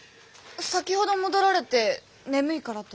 先ほど戻られて眠いからと。